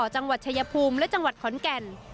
จังหวัดชายภูมิและจังหวัดขอนแก่น